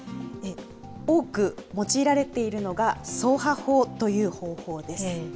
多く用いられているのが、そうは法という方法です。